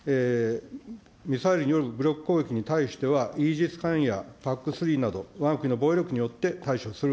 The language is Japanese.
ミサイルによる武力攻撃に対しては、イージス艦やＰＡＣ３など、わが国の防衛力によって対処する。